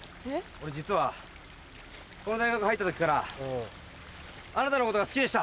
俺実はこの大学入った時からあなたのことが好きでした。